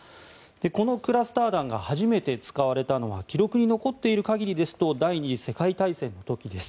このクラスター弾が初めて使われたのは記録に残っている限りですと第２次世界大戦の時です。